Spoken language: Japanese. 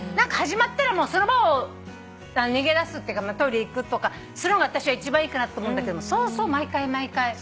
始まったらその場を逃げ出すってかトイレ行くとかするのが私は一番いいかなと思うんだけどそうそう毎回毎回。